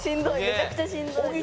めちゃくちゃしんどい。